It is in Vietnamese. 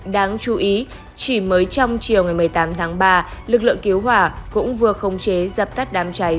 đáng chú ý chỉ mới trong chiều ngày một mươi tám tháng ba lực lượng cứu hỏa cũng vừa khống chế dập tắt đám cháy